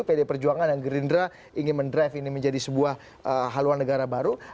pd perjuangan dan gerindra ingin mendrive ini menjadi sebuah haluan negara baru